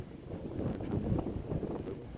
তোমার সামনেই কি ওকে গুলি করব?